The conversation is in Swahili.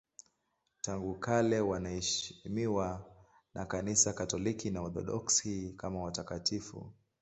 Tangu kale wanaheshimiwa na Kanisa Katoliki na Waorthodoksi kama watakatifu.